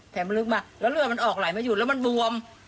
แผลมันลึกมาแล้วเลือดมันออกไหลไม่หยุดแล้วมันบวม